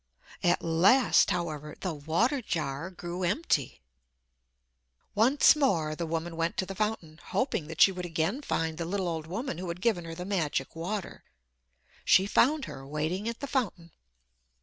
At last, however, the water jar grew empty. Once more the woman went to the fountain, hoping that she would again find the little old woman who had given her the magic water. She found her waiting at the fountain.